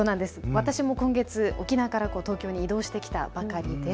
私も今月、沖縄から東京に異動してきたばかりです。